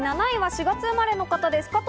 ７位は４月生まれの方です。